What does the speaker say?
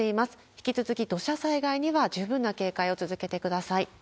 引き続き土砂災害には十分な警戒を続けてください。